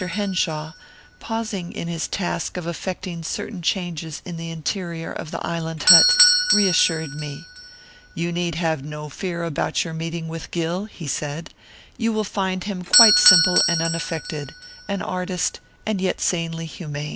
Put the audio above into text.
Henshaw, pausing in his task of effecting certain changes in the interior of the island hut, reassured me. 'You need have no fear about your meeting with Gill,' he said. 'You will find him quite simple and unaffected, an artist, and yet sanely human.